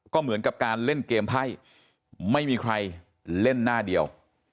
ก็เหมือนกับการเล่นเกมไพ่ไม่มีใครเล่นหน้าเดียว